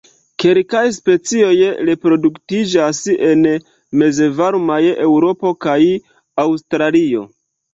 Kelkaj specioj reproduktiĝas en mezvarmaj Eŭropo kaj Aŭstralio.